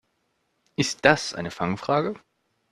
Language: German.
Ist das eine Fangfrage?